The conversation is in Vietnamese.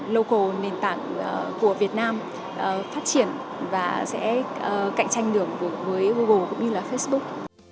local nền tảng của việt nam phát triển và sẽ cạnh tranh đường với google cũng như là facebook